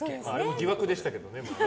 疑惑でしたけどね。